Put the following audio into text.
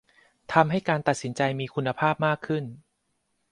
ทำให้การตัดสินใจมีคุณภาพมากขึ้น